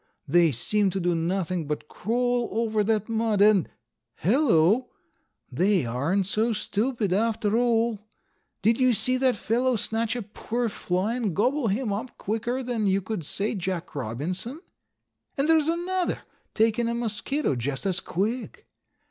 They seem to do nothing but crawl over that mud and—Hello! they aren't so stupid, after all. Did you see that fellow snatch a poor fly and gobble him up quicker than you could say Jack Robinson? And there's another taken a mosquito just as quick.